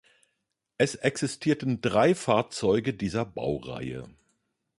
Es existierten drei Fahrzeuge dieser Baureihe.